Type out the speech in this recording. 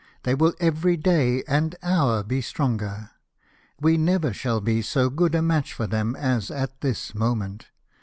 They will every day and hour be stronger, wo never shall be so good a match for them as at this moment.